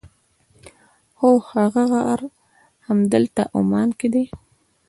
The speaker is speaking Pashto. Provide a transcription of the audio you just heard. هو هغه غار همدلته عمان کې دی.